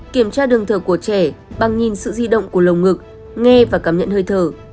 kiểm tra đường thở của trẻ bằng nhìn sự di động của lồng ngực nghe và cảm nhận hơi thở